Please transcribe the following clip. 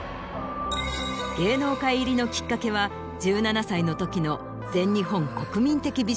芸能界入りのきっかけは１７歳のときの。